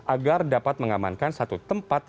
agar dapat mengamankan satu tempat